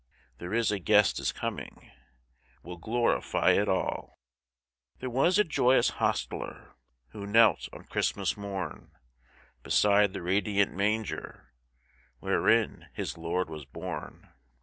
There is a Guest is coming Will glorify it all. There was a joyous hostler Who knelt on Christmas morn Beside the radiant manger Wherein his Lord was born.